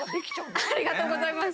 ありがとうございます。